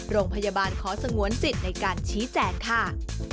โรงพยาบาลขอสงวนสิทธิ์ในการชี้แจงค่ะ